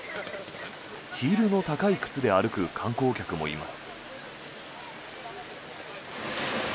ヒールの高い靴で歩く観光客もいます。